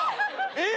えっ！